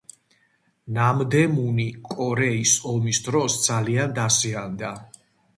ნამდემუნი კორეის ომის დროს ძალიან დაზიანდა.